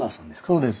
そうです。